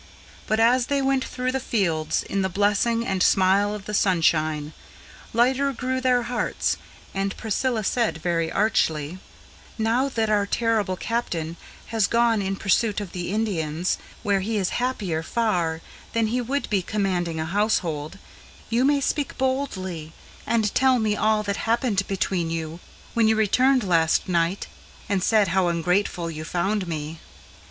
But, as they went through the fields in the blessing and smile of the sunshine, Lighter grew their hearts, and Priscilla said very archly: "Now that our terrible Captain has gone in pursuit of the Indians, Where he is happier far than he would be commanding a household, You may speak boldly, and tell me of all that happened between you, When you returned last night, and said how ungrateful you found me."